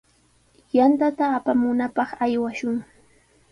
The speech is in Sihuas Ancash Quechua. Yantata apamunapaq aywashun.